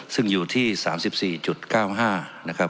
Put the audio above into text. ซึ่งอยู่ที่๓๔๙๕นะครับ